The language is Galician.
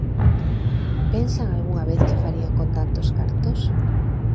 Pensan algunha vez que farían con tantos cartos?